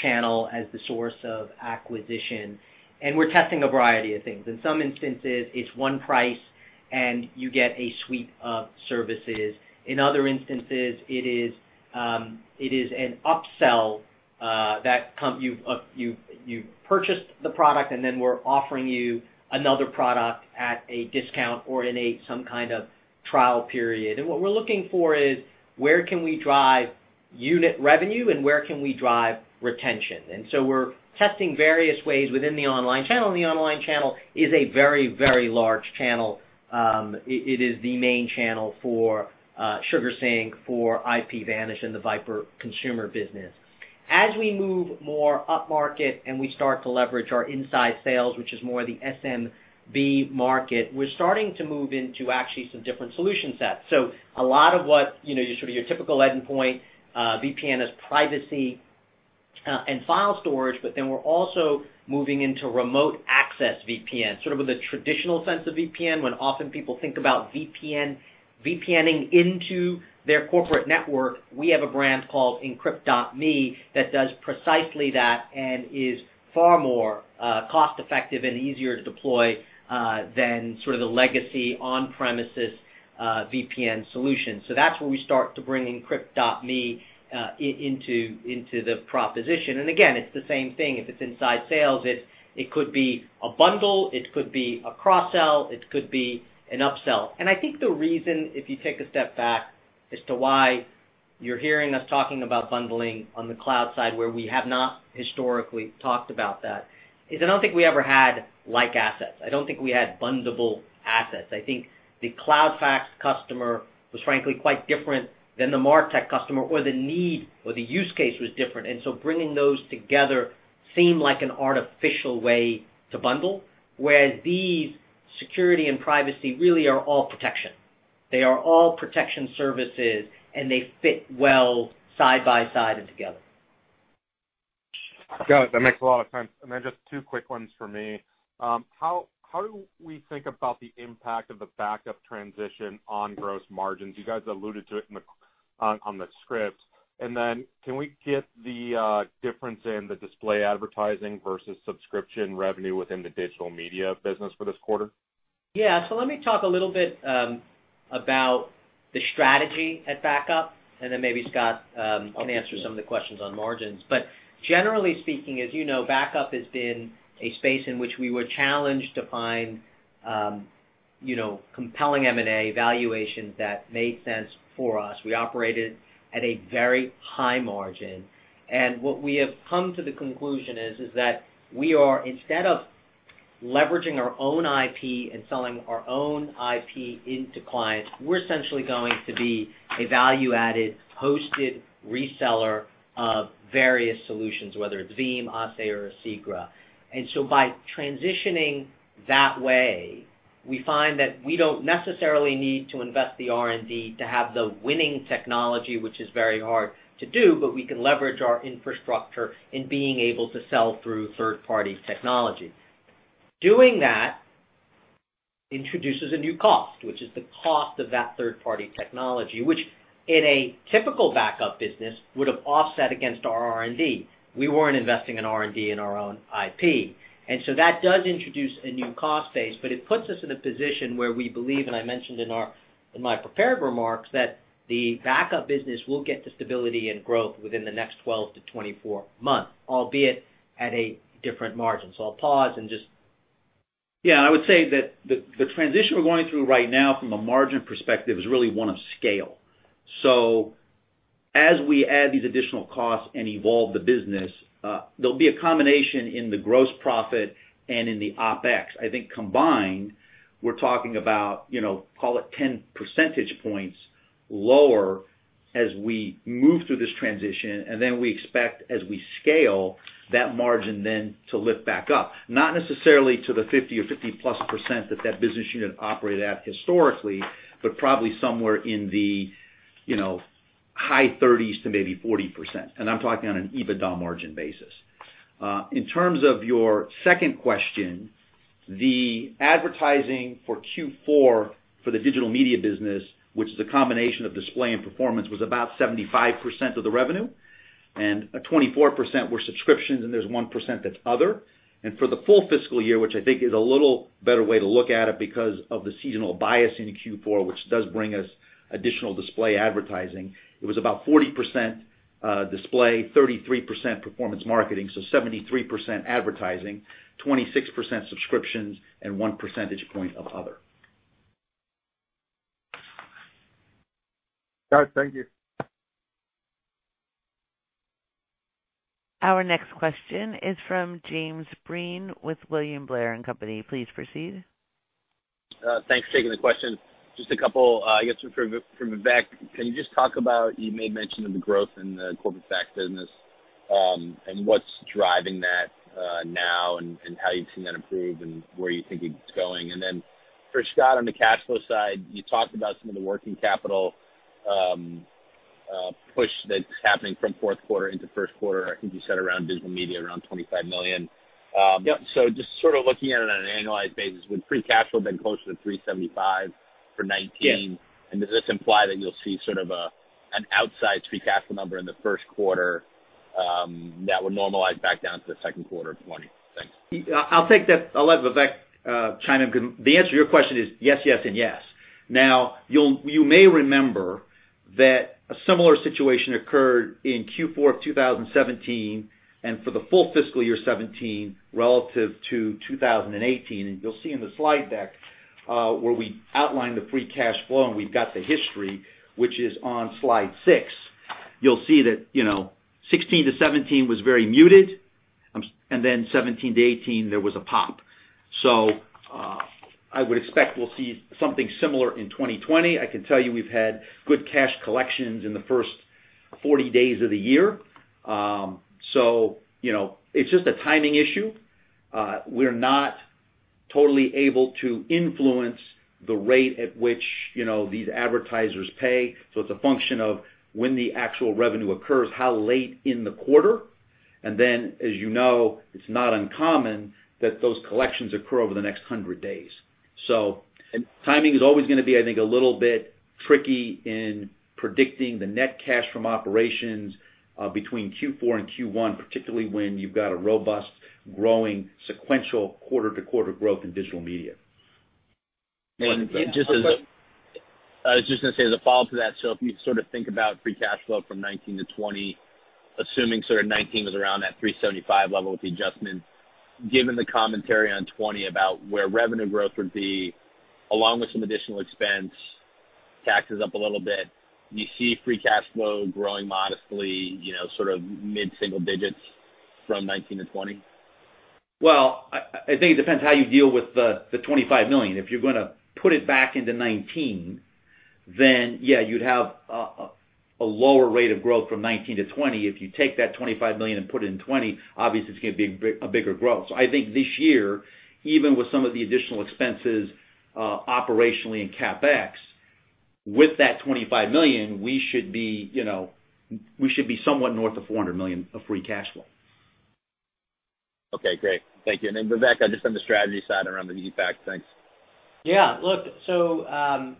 channel as the source of acquisition, and we're testing a variety of things. In some instances, it's one price and you get a suite of services. In other instances, it is an upsell, that you've purchased the product and then we're offering you another product at a discount or in some kind of trial period. What we're looking for is where can we drive-Unit revenue and where can we drive retention? We're testing various ways within the online channel, and the online channel is a very large channel. It is the main channel for SugarSync, for IPVanish, and the VIPRE consumer business. As we move more up market and we start to leverage our inside sales, which is more the SMB market, we're starting to move into actually some different solution sets. A lot of what your typical endpoint VPN is privacy and file storage, but then we're also moving into remote access VPN, sort of with a traditional sense of VPN. When often people think about VPNing into their corporate network, we have a brand called Encrypt.me that does precisely that and is far more cost-effective and easier to deploy than sort of the legacy on-premises VPN solution. That's where we start to bring Encrypt.me into the proposition. Again, it's the same thing. If it's inside sales, it could be a bundle, it could be a cross-sell, it could be an up-sell. I think the reason, if you take a step back, as to why you're hearing us talking about bundling on the cloud side where we have not historically talked about that, is I don't think we ever had like assets. I don't think we had bundle-able assets. I think the CloudFax customer was frankly quite different than the Martech customer or the need or the use case was different. Bringing those together seemed like an artificial way to bundle, whereas these security and privacy really are all protection. They are all protection services and they fit well side by side and together. Got it. That makes a lot of sense. Just two quick ones for me. How do we think about the impact of the backup transition on gross margins? You guys alluded to it on the script. Can we get the difference in the display advertising versus subscription revenue within the digital media business for this quarter? Let me talk a little bit about the strategy at Backup, and then maybe Scott can answer some of the questions on margins. Generally speaking, as you know, Backup has been a space in which we were challenged to find compelling M&A valuations that made sense for us. We operated at a very high margin. What we have come to the conclusion is that we are, instead of leveraging our own IP and selling our own IP into clients, we're essentially going to be a value-added hosted reseller of various solutions, whether it's Veeam, Asse or Asigra. By transitioning that way, we find that we don't necessarily need to invest the R&D to have the winning technology, which is very hard to do, but we can leverage our infrastructure in being able to sell through third-party technology. Doing that introduces a new cost, which is the cost of that third-party technology, which in a typical backup business would have offset against our R&D. We weren't investing in R&D in our own IP. That does introduce a new cost base, but it puts us in a position where we believe, and I mentioned in my prepared remarks, that the backup business will get to stability and growth within the next 12-24 months, albeit at a different margin. I'll pause and just I would say that the transition we're going through right now from a margin perspective is really one of scale. As we add these additional costs and evolve the business, there'll be a combination in the gross profit and in the OpEx. I think combined, we're talking about, call it 10 percentage points lower as we move through this transition. We expect as we scale that margin then to lift back up. Not necessarily to the 50% or 50%-plus that that business unit operated at historically, but probably somewhere in the high 30%s to maybe 40%. I'm talking on an EBITDA margin basis. In terms of your second question, the advertising for Q4 for the digital media business, which is a combination of display and performance, was about 75% of the revenue, and 24% were subscriptions, and there's 1% that's other. For the full fiscal year, which I think is a little better way to look at it because of the seasonal bias in Q4, which does bring us additional display advertising, it was about 40% display, 33% performance marketing, so 73% advertising, 26% subscriptions, and one percentage point of other. Got it. Thank you. Our next question is from James Breen with William Blair & Company. Please proceed. Thanks for taking the question. Just a couple, I guess, for Vivek. Can you just talk about, you made mention of the growth in the Corporate Fax business, what's driving that now and how you've seen that improve and where you think it's going? For Scott, on the cash flow side, you talked about some of the working capital push that's happening from fourth quarter into first quarter. I think you said around digital media, around $25 million. Yep. Just sort of looking at it on an annualized basis, would free cash flow have been closer to $375 for 2019? Yeah. Does this imply that you'll see sort of an outside free cash flow number in the first quarter that would normalize back down to the second quarter of 2020? Thanks. I'll take that. I'll let Vivek chime in. The answer to your question is yes and yes. You may remember that a similar situation occurred in Q4 of 2017 and for the full fiscal year 2017 relative to 2018. You'll see in the slide deck-Where we outline the free cash flow, and we've got the history, which is on slide six. You'll see that 2016 to 2017 was very muted, and then 2017 to 2018, there was a pop. I would expect we'll see something similar in 2020. I can tell you we've had good cash collections in the first 40 days of the year. It's just a timing issue. We're not totally able to influence the rate at which these advertisers pay. It's a function of when the actual revenue occurs, how late in the quarter. As you know, it's not uncommon that those collections occur over the next 100 days. Timing is always going to be, I think, a little bit tricky in predicting the net cash from operations, between Q4 and Q1, particularly when you've got a robust, growing, sequential quarter-to-quarter growth in digital media. I was just going to say, as a follow-up to that, if you think about free cash flow from 2019 to 2020, assuming 2019 was around that $375 level with the adjustments, given the commentary on 2020 about where revenue growth would be, along with some additional expense, taxes up a little bit, do you see free cash flow growing modestly, mid-single digits from 2019 to 2020? I think it depends how you deal with the $25 million. If you're going to put it back into 2019, yeah, you'd have a lower rate of growth from 2019 to 2020. If you take that $25 million and put it in 2020, obviously, it's going to be a bigger growth. I think this year, even with some of the additional expenses, operationally in CapEx, with that $25 million, we should be somewhat north of $400 million of free cash flow. Okay, great. Thank you. Vivek, just on the strategy side around the e-fax. Thanks. Yeah. Look, I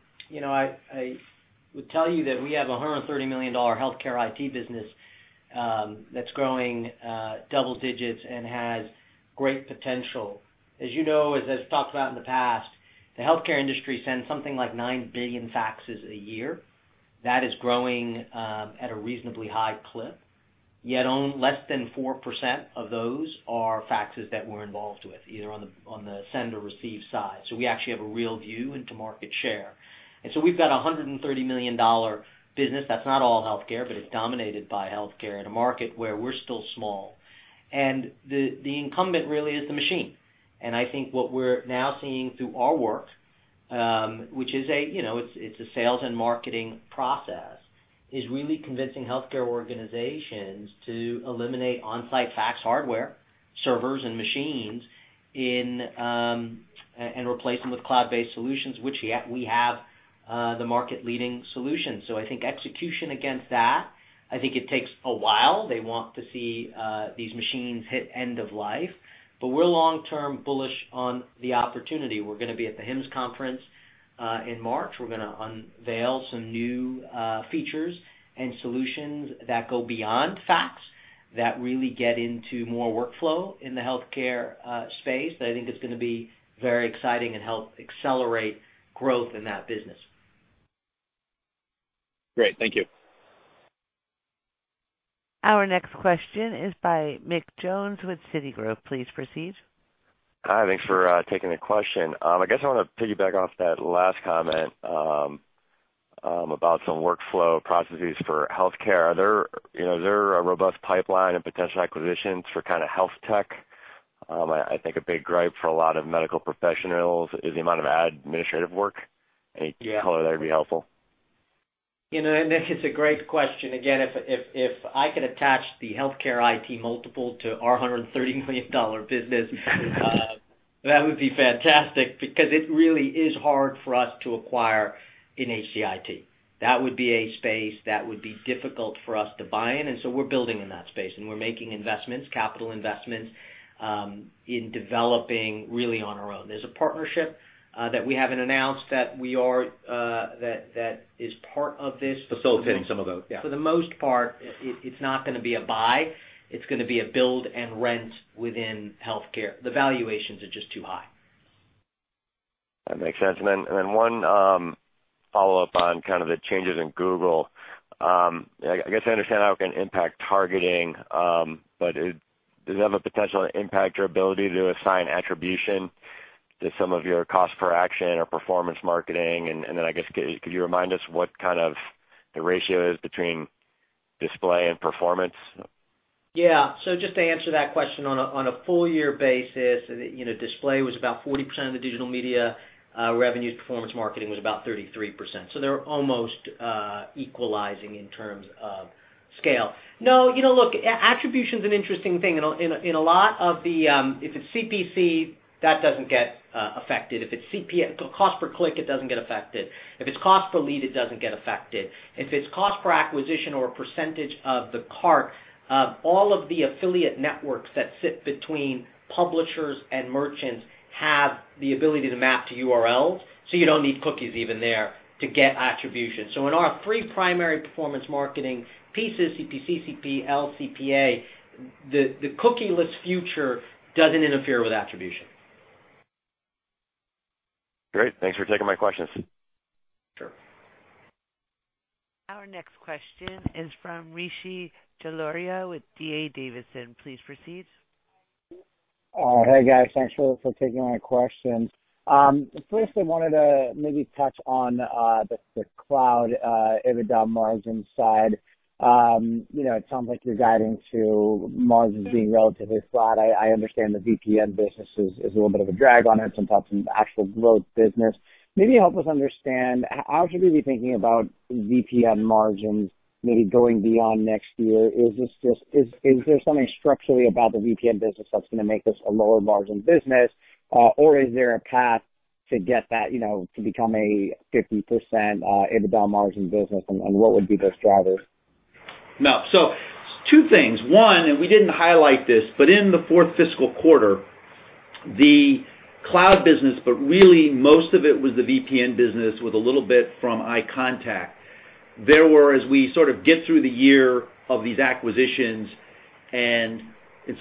would tell you that we have a $130 million healthcare IT business, that's growing double digits and has great potential. As you know, as I've talked about in the past, the healthcare industry sends something like 9 billion faxes a year. That is growing at a reasonably high clip, yet less than 4% of those are faxes that we're involved with, either on the send or receive side. We actually have a real view into market share. We've got a $130 million business, that's not all healthcare, but it's dominated by healthcare in a market where we're still small. The incumbent really is the machine. I think what we're now seeing through our work, which is a sales and marketing process, is really convincing healthcare organizations to eliminate on-site fax hardware, servers, and machines, and replace them with cloud-based solutions, which we have the market leading solution. I think execution against that, I think it takes a while. They want to see these machines hit end of life. We're long-term bullish on the opportunity. We're going to be at the HIMSS conference, in March. We're going to unveil some new features and solutions that go beyond fax that really get into more workflow in the healthcare space, that I think is going to be very exciting and help accelerate growth in that business. Great. Thank you. Our next question is by Mick Jones with Citigroup. Please proceed. Hi. Thanks for taking the question. I guess I want to piggyback off that last comment about some workflow processes for healthcare. Is there a robust pipeline and potential acquisitions for kind of health tech? I think a big gripe for a lot of medical professionals is the amount of administrative work. Any color there would be helpful. Mick, it's a great question. Again, if I could attach the healthcare IT multiple to our $130 million business, that would be fantastic because it really is hard for us to acquire in HCIT. That would be a space that would be difficult for us to buy in, and so we're building in that space, and we're making investments, capital investments, in developing really on our own. There's a partnership that we haven't announced that is part of this. Facilitating some of those, yeah. for the most part, it's not going to be a buy. It's going to be a build and rent within healthcare. The valuations are just too high. That makes sense. One follow-up on kind of the changes in Google. I guess I understand how it can impact targeting, does it have a potential impact your ability to assign attribution to some of your cost per action or performance marketing? I guess, could you remind us what kind of the ratio is between display and performance? Just to answer that question on a full year basis, display was about 40% of the digital media revenue. Performance marketing was about 33%. They're almost equalizing in terms of scale. No. Look, attribution's an interesting thing. In a lot of the if it's CPC, that doesn't get affected. If it's cost per click, it doesn't get affected. If it's cost per lead, it doesn't get affected. If it's cost per acquisition or a percentage of the cart, all of the affiliate networks that sit between publishers and merchants have the ability to map to URLs, so you don't need cookies even there to get attribution. In our three primary performance marketing pieces, CPC, CPL, CPA, the cookie-less future doesn't interfere with attribution. Great. Thanks for taking my questions. Sure. Our next question is from Rishi Jaluria with D.A. Davidson. Please proceed. Hey, guys. Thanks for taking my question. I wanted to maybe touch on the Cloud EBITDA margin side. It sounds like you're guiding to margins being relatively flat. I understand the VPN business is a little bit of a drag on it, in terms of actual growth business. Help us understand, how should we be thinking about VPN margins maybe going beyond next year? Is there something structurally about the VPN business that's going to make this a lower margin business, or is there a path to get that to become a 50% EBITDA margin business, and what would be those drivers? No. Two things. One, we didn't highlight this, in the fourth fiscal quarter, the Cloud business, really most of it was the VPN business with a little bit from iContact. There were, as we sort of get through the year of these acquisitions, in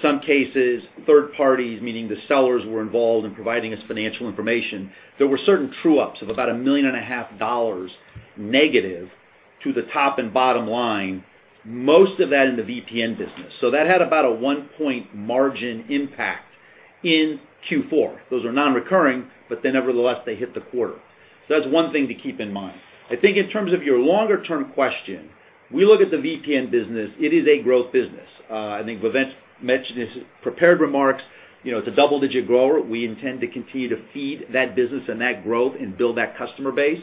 some cases, third parties, meaning the sellers, were involved in providing us financial information. There were certain true-ups of about a million and a half dollars negative to the top and bottom line, most of that in the VPN business. That had about a one point margin impact in Q4. Those are non-recurring, nevertheless, they hit the quarter. That's one thing to keep in mind. I think in terms of your longer-term question, we look at the VPN business, it is a growth business. I think Vivek mentioned his prepared remarks. It's a double-digit grower. We intend to continue to feed that business and that growth and build that customer base.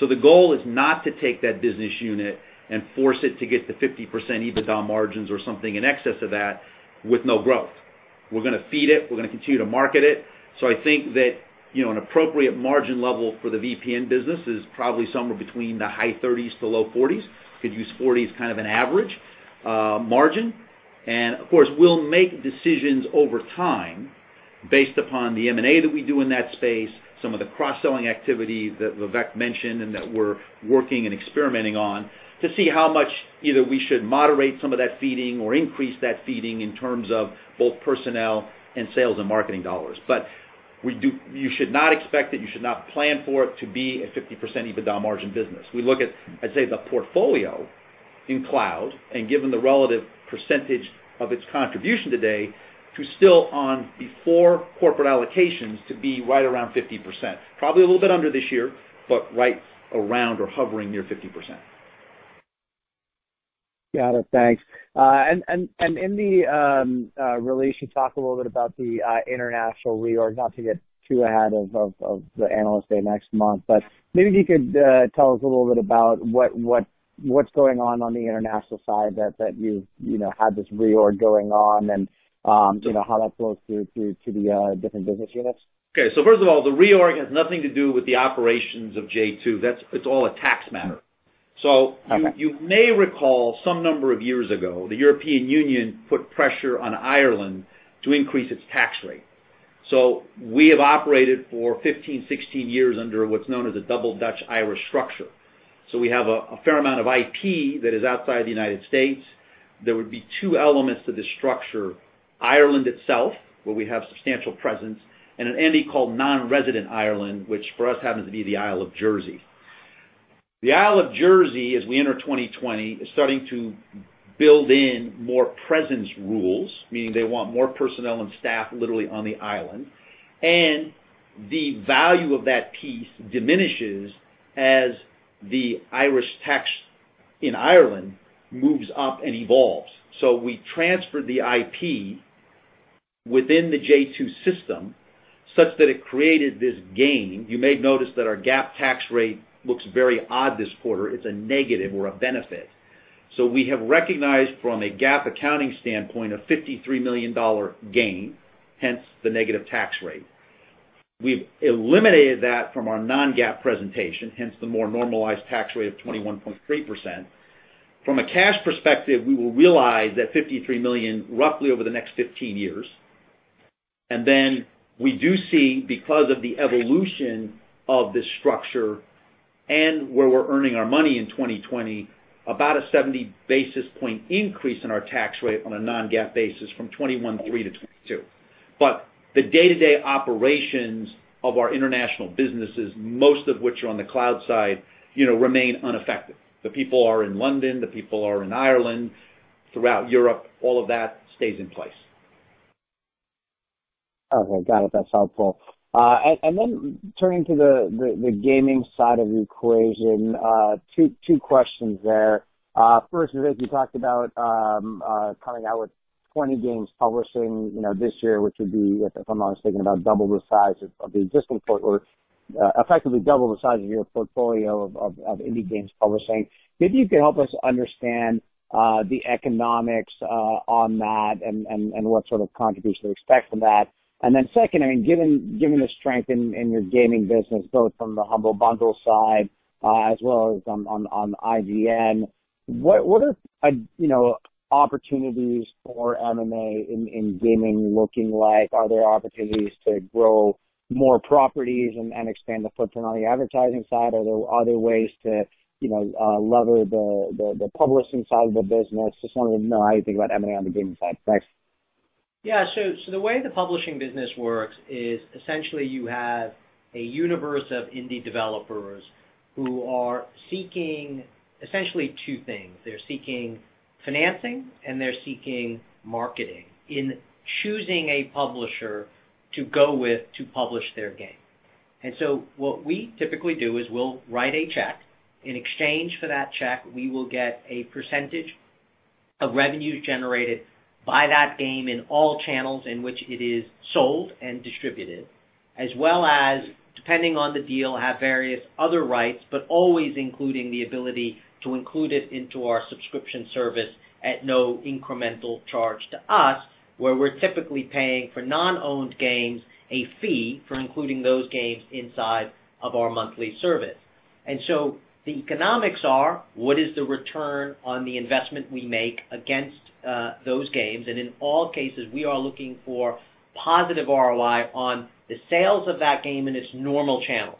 The goal is not to take that business unit and force it to get to 50% EBITDA margins or something in excess of that with no growth. We're going to feed it. We're going to continue to market it. I think that an appropriate margin level for the VPN business is probably somewhere between the high 30%s to low 40%s. Could use 40% as kind of an average margin. Of course, we'll make decisions over time based upon the M&A that we do in that space, some of the cross-selling activity that Vivek mentioned and that we're working and experimenting on to see how much either we should moderate some of that feeding or increase that feeding in terms of both personnel and sales and marketing dollars. You should not expect it, you should not plan for it to be a 50% EBITDA margin business. We look at, I'd say, the portfolio in Cloud, and given the relative percentage of its contribution today, to still on before corporate allocations to be right around 50%. Probably a little bit under this year, right around or hovering near 50%. Got it. Thanks. In the release, you talk a little bit about the international reorg, not to get too ahead of the Analyst Day next month. Maybe you could tell us a little bit about what's going on on the international side that you've had this reorg going on and how that flows through to the different business units. Okay. First of all, the reorg has nothing to do with the operations of j2. It's all a tax matter. Okay. You may recall some number of years ago, the European Union put pressure on Ireland to increase its tax rate. We have operated for 15, 16 years under what's known as a Double Dutch Irish structure. We have a fair amount of IP that is outside the U.S. There would be two elements to this structure: Ireland itself, where we have substantial presence, and an entity called non-resident Ireland, which for us happens to be the Isle of Jersey. The Isle of Jersey, as we enter 2020, is starting to build in more presence rules, meaning they want more personnel and staff literally on the island, and the value of that piece diminishes as the Irish tax in Ireland moves up and evolves. We transferred the IP within the j2 system such that it created this gain. You may notice that our GAAP tax rate looks very odd this quarter. It's a negative or a benefit. We have recognized from a GAAP accounting standpoint, a $53 million gain, hence the negative tax rate. We've eliminated that from our non-GAAP presentation, hence the more normalized tax rate of 21.3%. From a cash perspective, we will realize that $53 million roughly over the next 15 years. We do see, because of the evolution of this structure and where we're earning our money in 2020, about a 70-basis-point increase in our tax rate on a non-GAAP basis from 21.3% to 22%. The day-to-day operations of our international businesses, most of which are on the cloud side, remain unaffected. The people are in London, the people are in Ireland, throughout Europe. All of that stays in place. Okay. Got it. That's helpful. Turning to the gaming side of the equation, two questions there. First, Vivek, you talked about coming out with 20 games publishing this year, which would be, if I'm not mistaken, about double the size of the existing portfolio, effectively double the size of your portfolio of indie games publishing. Maybe you could help us understand the economics on that and what sort of contribution to expect from that. Second, given the strength in your gaming business, both from the Humble Bundle side as well as on IGN, what are opportunities for M&A in gaming looking like? Are there opportunities to grow more properties and expand the footprint on the advertising side? Are there other ways to lever the publishing side of the business? Just wanted to know how you think about M&A on the gaming side. Thanks. Yeah. The way the publishing business works is essentially you have a universe of indie developers who are seeking essentially two things. They're seeking financing, and they're seeking marketing in choosing a publisher to go with to publish their game. What we typically do is we'll write a check. In exchange for that check, we will get a percentage of revenues generated by that game in all channels in which it is sold and distributed, as well as, depending on the deal, have various other rights, but always including the ability to include it into our subscription service at no incremental charge to us, where we're typically paying for non-owned games a fee for including those games inside of our monthly service. The economics are, what is the return on the investment we make against those games? In all cases, we are looking for positive ROI on the sales of that game in its normal channels.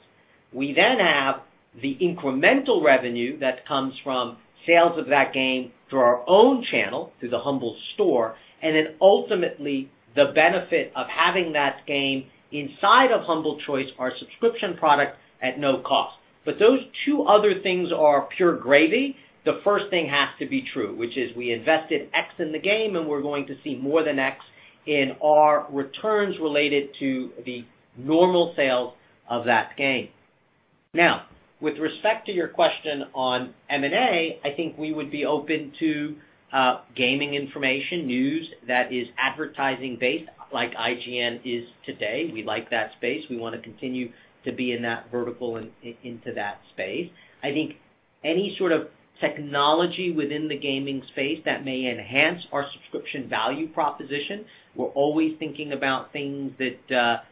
We have the incremental revenue that comes from sales of that game through our own channel, through the Humble Store, and then ultimately the benefit of having that game inside of Humble Choice, our subscription product, at no cost. Those two other things are pure gravy. The first thing has to be true, which is we invested X in the game, and we're going to see more than X in our returns related to the normal sales of that game. With respect to your question on M&A, I think we would be open to gaming information, news that is advertising-based like IGN is today. We like that space. We want to continue to be in that vertical and into that space. I think any sort of technology within the gaming space that may enhance our subscription value proposition, we're always thinking about things that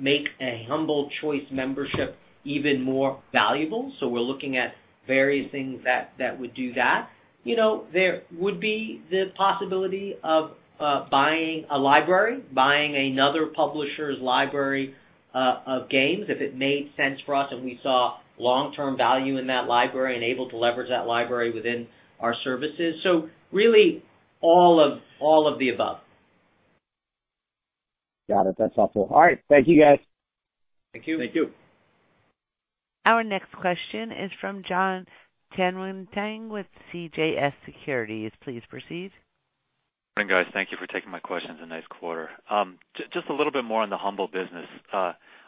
make a Humble Choice membership even more valuable. We're looking at various things that would do that. There would be the possibility of buying a library, buying another publisher's library of games if it made sense for us and we saw long-term value in that library and able to leverage that library within our services. Really, all of the above. Got it. That's helpful. All right. Thank you, guys. Thank you. Thank you. Our next question is from Jonathan Tanwanteng with CJS Securities. Please proceed. Morning, guys. Thank you for taking my questions. A nice quarter. A little bit more on the Humble business.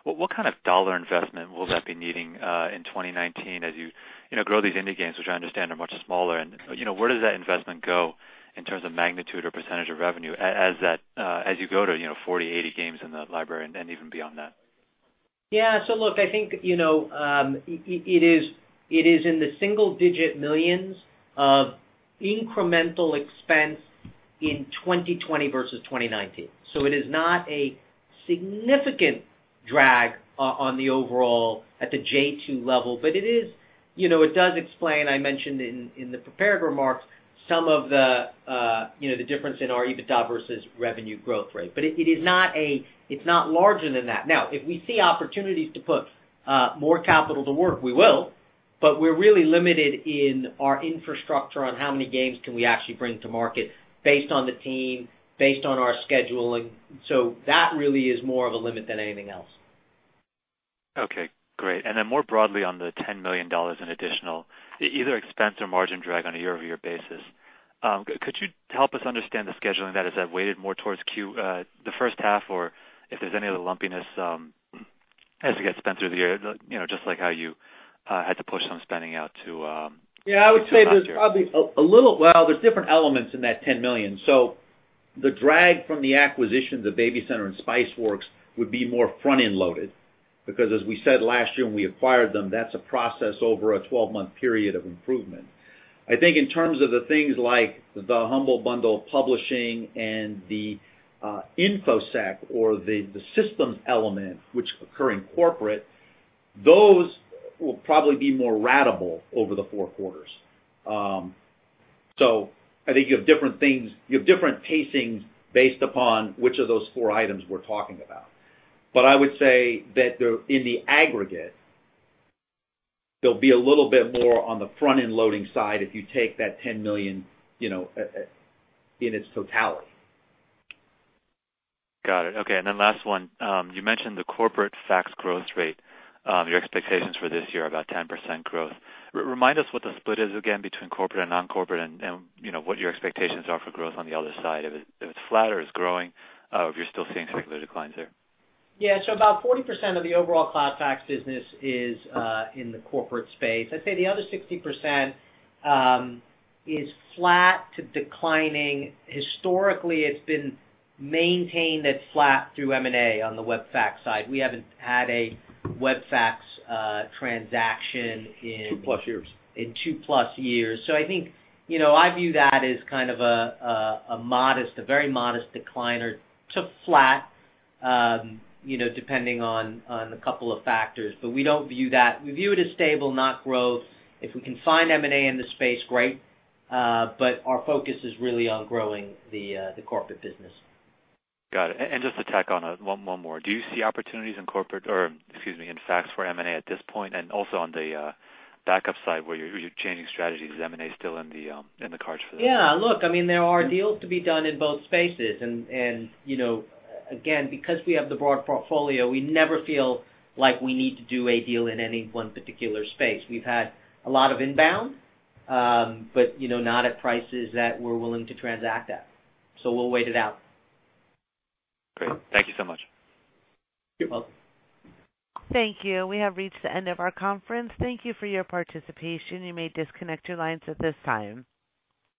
What kind of dollar investment will that be needing in 2019 as you grow these indie games, which I understand are much smaller and where does that investment go in terms of magnitude or percentage of revenue as you go to 40, 80 games in the library and even beyond that? Look, I think it is in the single-digit millions of incremental expense in 2020 versus 2019. It is not a significant drag on the overall at the j2 level, it does explain, I mentioned in the prepared remarks, some of the difference in our EBITDA versus revenue growth rate. It's not larger than that. Now, if we see opportunities to put more capital to work, we will, but we're really limited in our infrastructure on how many games can we actually bring to market based on the team, based on our scheduling. That really is more of a limit than anything else. Okay, great. More broadly on the $10 million in additional either expense or margin drag on a year-over-year basis. Could you help us understand the scheduling that is weighted more towards the first half or if there's any other lumpiness as it gets spent through the year, just like how you had to push some spending out? Yeah, I would say there's probably well, there's different elements in that $10 million. The drag from the acquisitions of BabyCenter and Spiceworks would be more front-end loaded because as we said last year when we acquired them, that's a process over a 12-month period of improvement. I think in terms of the things like the Humble Bundle publishing and the InfoSec or the systems element which occur in corporate, those will probably be more ratable over the four quarters. I think you have different pacings based upon which of those four items we're talking about. I would say that in the aggregate, there'll be a little bit more on the front-end loading side if you take that $10 million in its totality. Got it. Okay. Last one. You mentioned the Corporate Fax growth rate your expectations for this year are about 10% growth. Remind us what the split is again between Corporate and non-Corporate and what your expectations are for growth on the other side. If it's flat or it's growing, or if you're still seeing secular declines there. About 40% of the overall CloudFax business is in the corporate space. I'd say the other 60% is flat to declining. Historically, it's been maintained at flat through M&A on the web fax side. We haven't had a web fax transaction. 2+ years in 2+ years. I think I view that as kind of a very modest decline to flat depending on a couple of factors. We view it as stable, not growth. If we can find M&A in the space, great. Our focus is really on growing the corporate business. Got it. Just to tack on one more. Do you see opportunities in Corporate or, excuse me, in fax for M&A at this point? Also on the backup side where you're changing strategies. Is M&A still in the cards for that? Yeah, look, there are deals to be done in both spaces, and again, because we have the broad portfolio, we never feel like we need to do a deal in any one particular space. We've had a lot of inbound, but not at prices that we're willing to transact at. We'll wait it out. Great. Thank you so much. You're welcome. Thank you. We have reached the end of our conference. Thank you for your participation. You may disconnect your lines at this time.